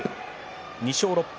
２勝６敗